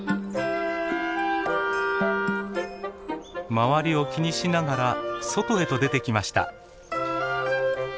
周りを気にしながら外へと出てきました。